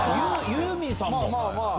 ユーミンさんも！